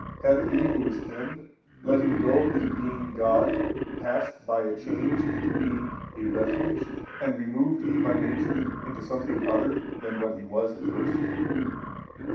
hath He Who is hymned, letting go His being God, passed by a change into being a refuge, and removed He by Nature into something other than what He was at first?